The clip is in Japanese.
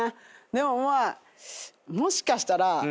でもまあもしかしたら。